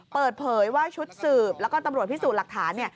เปิดเผยว่าชุดสืบแล้วก็ตำรวจพิสูจน์หลักฐาน